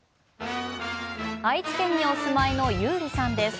愛知県にお住まいのゆうりさんです。